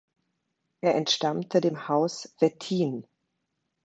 Er entstammte dem Haus Wettin.